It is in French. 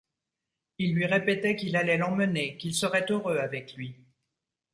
Il lui répétait qu’il allait l’emmener, qu’il serait heureux avec lui.